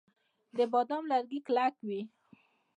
د بادام لرګي کلک وي.